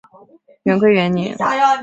元龟元年。